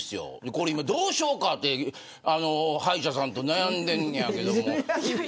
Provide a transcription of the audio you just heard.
今これ、どうしようかと歯医者さんと悩んでんねんけど。